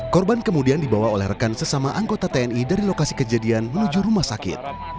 korban kemudian dibawa oleh rekan sesama anggota tni dari lokasi kejadian menuju rumah sakit